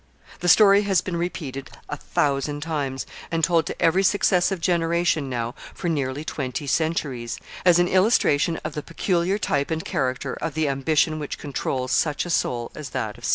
The story has been repeated a thousand times, and told to every successive generation now for nearly twenty centuries, as an illustration of the peculiar type and character of the ambition which controls such a soul as that of Caesar.